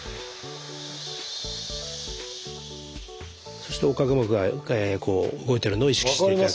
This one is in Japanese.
そして横隔膜が動いてるのを意識していただく。